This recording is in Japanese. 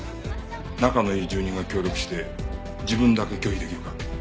仲のいい住人が協力して自分だけ拒否出来るか？